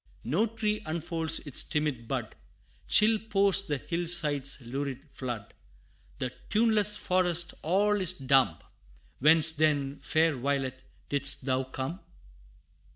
No tree unfolds its timid bud Chill pours the hill side's lurid flood The tuneless forest all is dumb Whence then, fair violet, didst thou come?